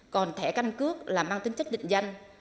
còn thẻ căn cước là mang tính chất định danh